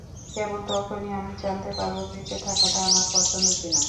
কেবল তখনই আমি জানতে পারবো বেঁচে থাকাটা আমার পছন্দ কিনা।